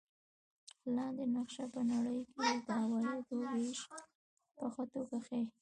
لاندې نقشه په نړۍ کې د عوایدو وېش په ښه توګه ښيي.